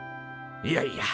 いやいや。